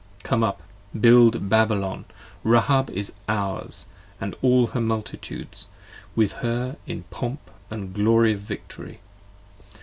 Come up, build Babylon, Rahab is ours & all her multitudes With her, in pomp and glory of victory.